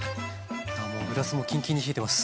ああもうグラスもキンキンに冷えてます！